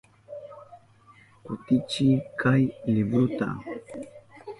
Kutichiy kay libruta.